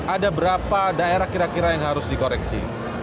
ada berapa daerah kira kira yang harus dikoreksi